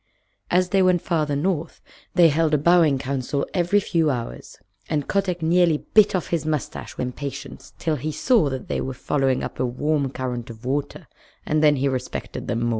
As they went farther north they held a bowing council every few hours, and Kotick nearly bit off his mustache with impatience till he saw that they were following up a warm current of water, and then he respected them more.